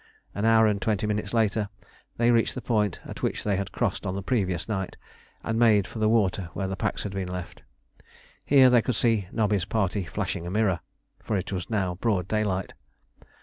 An hour and twenty minutes later they reached the point at which they had crossed on the previous night, and made for the water where the packs had been left. Here they could see Nobby's party flashing a mirror: for it was now broad daylight.